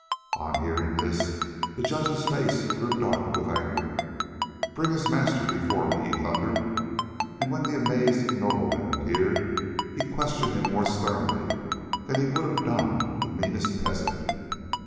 On hearing this the judge's face grew dark with anger. "Bring his master before me," he thundered, and when the amazed nobleman appeared, he questioned him more sternly than he would have done the meanest peasant.